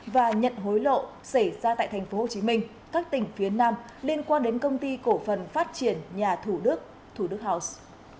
và nhận hối lộ xảy ra tại tp hcm các tỉnh phía nam liên quan đến công ty cổ phần phát triển nhà thủ đức thủ đức house